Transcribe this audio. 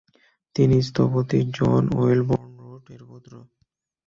তিনি স্থপতি John Welborn Root এর পুত্র।